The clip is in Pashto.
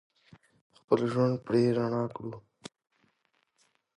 خپل ژوند پرې رڼا کړو.